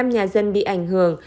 năm nhà dân bị ảnh hưởng